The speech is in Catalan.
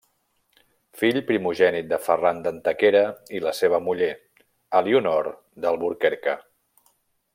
Fill primogènit de Ferran d'Antequera i la seva muller, Elionor d'Alburquerque.